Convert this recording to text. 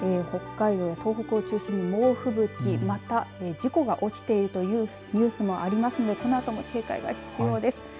北海道、東北を中心にふぶき、または事故が起きているというニュースもありますのでこのあとも警戒が必要です。